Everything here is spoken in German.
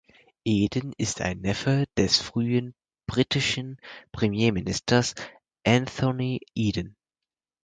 Eden ist ein Neffe des früheren britischen Premierministers Anthony Eden.